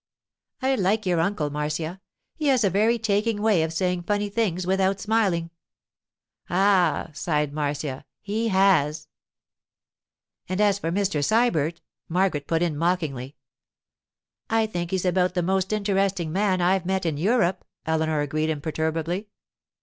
'I like your uncle, Marcia. He has a very taking way of saying funny things without smiling.' 'Ah,' sighed Marcia, 'he has!' 'And as for Mr. Sybert——' Margaret put in mockingly. 'I think he's about the most interesting man I've met in Europe,' Eleanor agreed imperturbably.